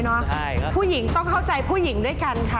ใช่ครับผู้หญิงต้องเข้าใจผู้หญิงด้วยกันค่ะ